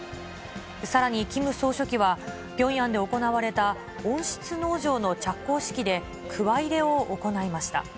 さらにキム総書記は、ピョンヤンで行われた温室農場の着工式で、くわ入れを行いました。